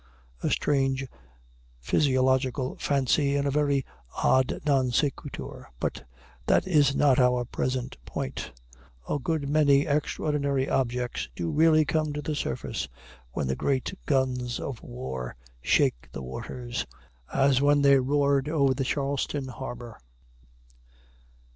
A strange physiological fancy and a very odd non sequitur; but that is not our present point. A good many extraordinary objects do really come to the surface when the great guns of war shake the waters, as when they roared over Charleston harbor.